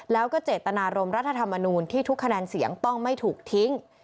แล้วก็เจตนารมรัฐธรรมนูลที่ทุกคะแนนเสียงต้องไม่ถูกทิ้ง